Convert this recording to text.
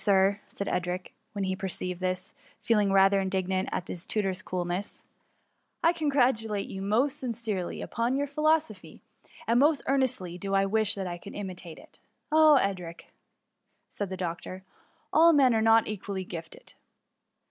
Sir," said Edric, when he perceived this» feeling rather indignant at his tutor's coolness —" I congratulate you most sincerely upon your philosophy, and most ear nestly do I wish that I could imitate it." " Ah, Edric !" returned the doctor, " all men are not equally gifted."